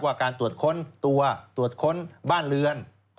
การตรวจค้นตัวตรวจค้นบ้านเรือน